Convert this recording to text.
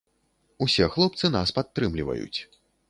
Усе хлопцы нас падтрымліваюць.